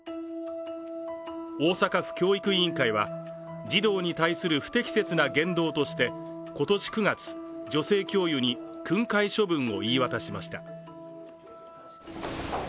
大阪府教育委員会は児童に対する不適切な言動として今年９月女性教諭に訓戒処分を言い渡しました。